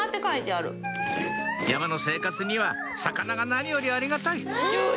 山の生活には魚が何よりありがたいわぁ！